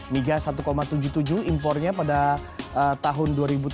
migas satu tujuh puluh tujuh impornya pada tahun dua ribu tujuh belas